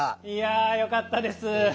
いやぁよかったです。